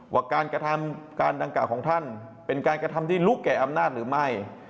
ว่าการกระทำการดังกล่าวของท่านเป็นการกระทำที่ลุกแก่อำนาจหรือไม่